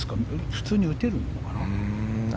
普通に打てるのかな？